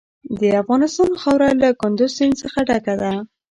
د افغانستان خاوره له کندز سیند څخه ډکه ده.